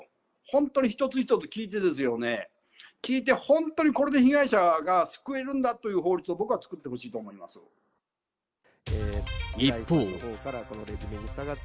本当に一つ一つ聞いてですよね、聞いて本当にこれで本当に被害者が救えるんだという法律を僕は作一方。